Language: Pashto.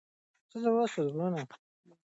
زړونه چې راژوندي سول، د غازیانو وو.